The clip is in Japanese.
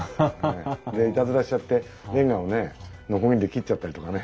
でいたずらしちゃってれんがをねノコギリで切っちゃったりとかね。